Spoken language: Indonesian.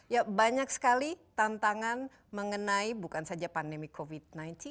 ya banyak sekali tantangan mengenai bukan saja pandemi covid sembilan belas